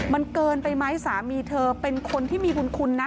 มันเกินไปไหมสามีเธอเป็นคนที่มีบุญคุณนะ